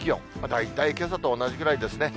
大体けさと同じくらいですね。